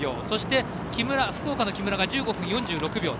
そして、福岡の木村が１５分４６秒。